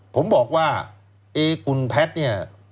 ผมบอกว่าเอคุณแพทย์เนี่ย